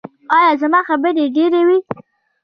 ایا زما خبرې ډیرې وې؟